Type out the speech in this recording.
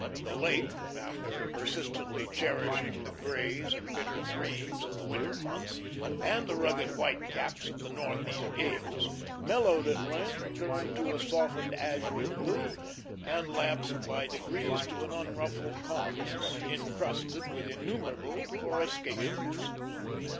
The Lake, after persistently cherishing the greys and bitter greens of the winter months, and the rugged white caps of the northeast gales, mellowed at length, turned to a softened azure blue, and lapsed by degrees to an unruffled calmness, incrusted with innumerable coruscations.